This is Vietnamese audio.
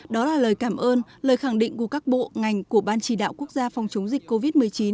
đó là lời cảm ơn lời khẳng định của các bộ ngành của ban chỉ đạo quốc gia phòng chống dịch covid một mươi chín